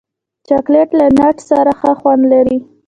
چاکلېټ له نټ سره ښه خوند لري.